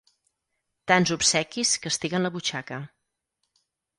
Tants obsequis castiguen la butxaca.